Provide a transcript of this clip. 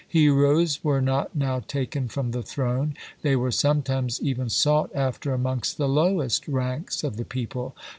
Heroes were not now taken from the throne: they were sometimes even sought after amongst the lowest ranks of the people.